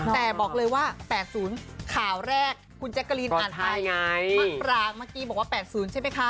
แต่บอกเลยว่า๘๐ข่าวแรกคุณแจ๊กกะลีนอ่านไปมะปรางเมื่อกี้บอกว่า๘๐ใช่ไหมคะ